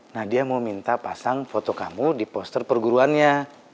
nah dia mau minta pasang foto kamu di poster perguruannya